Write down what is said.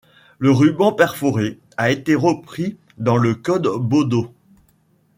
Le ruban perforé a été repris dans le Code Baudot.